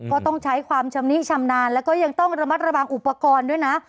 ก็ต้องใช้ความชำนิชำนาญแล้วก็ยังต้องระมัดระวังอุปกรณ์ด้วยนะ